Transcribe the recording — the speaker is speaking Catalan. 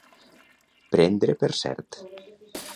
Prendre per cert.